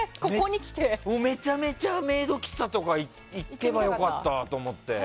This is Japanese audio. めちゃめちゃメイド喫茶とか行けばよかったと思って。